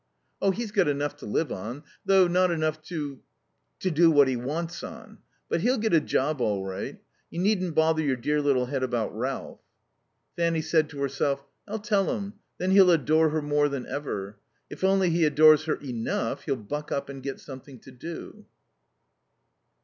"Oh, he's got enough to live on, though not enough to to do what he wants on. But he'll get a job all right. You needn't bother your dear little head about Ralph." Fanny said to herself: "I'll tell him, then he'll adore her more than ever. If only he adores her enough he'll buck up and get something to do."